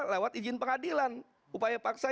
lewat izin pengadilan upaya paksa